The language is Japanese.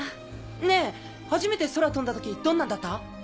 ねぇ初めて空飛んだ時どんなだった？